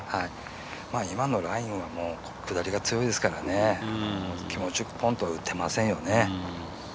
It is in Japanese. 今のラインは下りが強いですから、気持ちよくポンと打てませんよね。